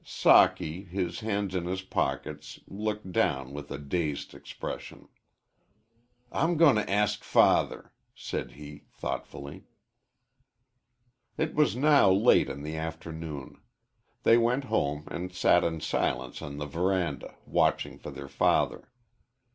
Socky, his hands in his pockets, looked down with a dazed expression. "I'm going to ask father," said he, thoughtfully. It was now late in the afternoon. They went home and sat in silence on the veranda, watching for their father.